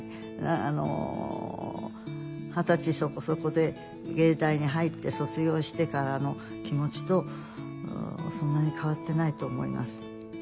あの二十歳そこそこで藝大に入って卒業してからの気持ちとそんなに変わってないと思います。